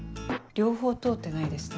両方通ってないですね。